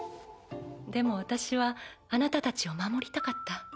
でも私はあなたたちを守りたかった。